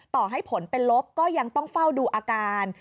ต่อให้ผลเป็นลบก็ยังต้องเฝ้าดูอาการ